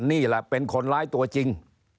นี่แหละเป็นคนร้ายตัวจริง